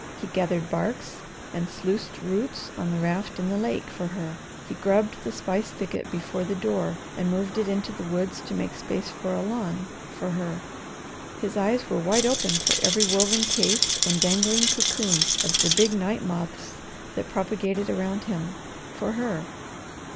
He gathered barks and sluiced roots on the raft in the lake, for her. He grubbed the spice thicket before the door and moved it into the woods to make space for a lawn, for her. His eyes were wide open for every woven case and dangling cocoon of the big night moths that propagated around him, for her.